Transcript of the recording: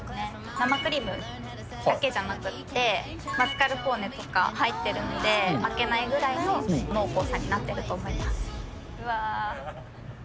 生クリームだけじゃなくって、マスカルポーネとか入ってるんで、負けないぐらいの濃厚さになってると思います。